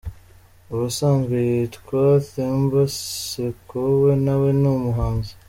Ubusanzwe yitwa Themba Sekowe nawe ni umuhanzi.